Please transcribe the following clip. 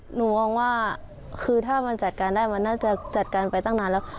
หนูมองว่าคือถ้ามันจัดการได้มันน่าจะจัดการไปตั้งนานแล้ว